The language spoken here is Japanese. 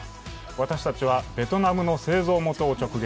私たちはベトナムの製造元を直撃。